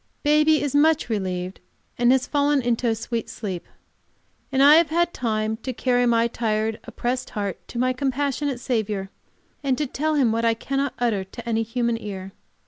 Baby is much relieved, and has fallen into a sweet sleep. And I have had time to carry my tired, oppressed heart to my compassionate Saviour, and to tell Him what I cannot utter to any human ear.